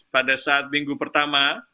pada saat minggu pertama